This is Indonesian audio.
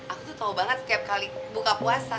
aku tuh tau banget setiap kali buka puasa